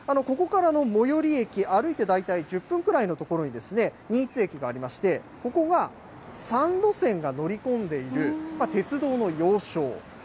ここからの最寄り駅、歩いて大体１０分くらいの所に新津駅がありまして、ここは３路線が乗り込んでいる鉄道の要衝。